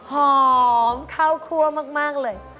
หอมเข้าคั่วมากเลย